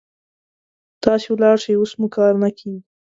تاسې ولاړ شئ، اوس مو کار نه کيږي.